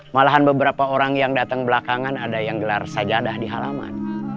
malahan beberapa orang yang datang belakangan ada yang gelar sajadah di halaman